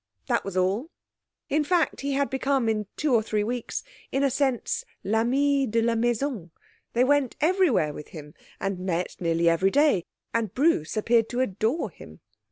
That was all. In fact he had become, in two or three weeks, in a sense l'ami de la maison; they went everywhere with him and met nearly every day, and Bruce appeared to adore him.